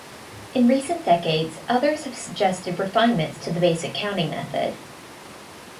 In recent decades, others have suggested refinements to the basic counting method.